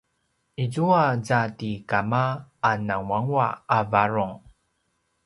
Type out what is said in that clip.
izua za ti kama a nanguanguaq a varung